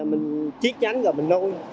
mình chiếc nhánh rồi mình nuôi